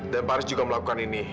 dan pak haris juga melakukan ini